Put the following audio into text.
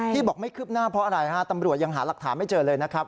บอกไม่คืบหน้าเพราะอะไรฮะตำรวจยังหาหลักฐานไม่เจอเลยนะครับ